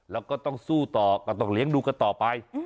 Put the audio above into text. แล้วก็ต้องสู้ต่อก็ต้องเลี้ยงดูกันต่อไป